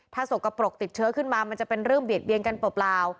ถ้าสกปรกติดเชื้อขึ้นมามันจะเป็นเรื่องเบียดเบียนกันเปล่า